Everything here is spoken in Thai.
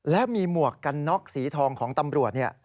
และมีหมวกกันน็อกสีทองของตำรวจ